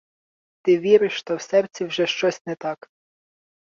Ти віриш, та в серці вже щось не так